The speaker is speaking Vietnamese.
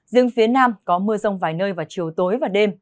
riêng phía nam có mưa rông vài nơi vào chiều tối và đêm